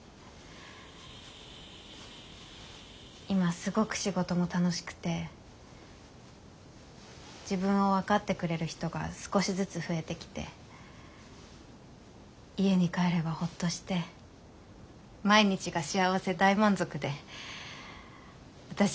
今すごく仕事も楽しくて自分を分かってくれる人が少しずつ増えてきて家に帰ればほっとして毎日が幸せ大満足で私